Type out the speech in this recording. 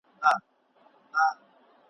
تا تر قیامته په اورغوي کي کتلای نه سم `